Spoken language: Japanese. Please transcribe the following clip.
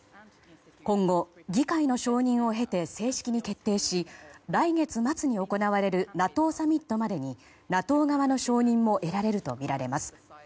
今後、議会の承認を経て正式に決定し来月末に行われるＮＡＴＯサミットまでにＮＡＴＯ側の承認も得られるとみられます。